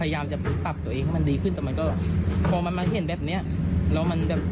เราทำให้เราแบบ